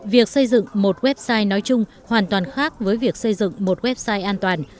việc xây dựng một website nói chung hoàn toàn khác với việc xây dựng một website an toàn